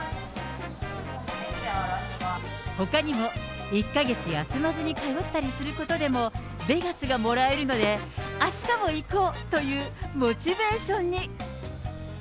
ほかにも１か月休まずに通ったりすることでも、ベガスがもらえるので、あしたも行こう！というモチベーションに。